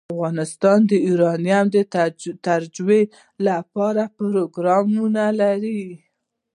افغانستان د یورانیم د ترویج لپاره پروګرامونه لري.